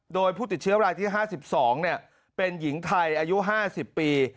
โดยผู้ติดเชื้อรายที่๕๒เป็นหญิงไทยอายุ๕๐ปี